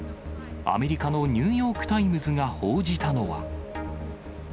アメリカのニューヨークタイムズが報じたのは。